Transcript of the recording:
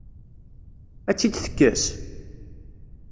Ad tt-id-tekkes?